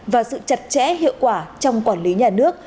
và sự chặt chẽ hiệu quả trong quản lý nhà nước